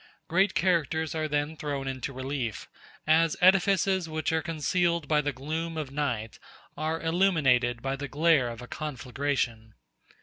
Great characters are then thrown into relief, as edifices which are concealed by the gloom of night are illuminated by the glare of a conflagration.